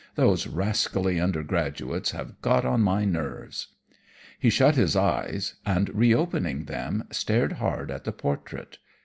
'Those rascally undergraduates have got on my nerves.' "He shut his eyes; and re opening them, stared hard at the portrait.